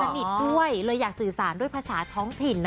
ด้วยเลยอยากสื่อสารด้วยภาษาท้องถิ่น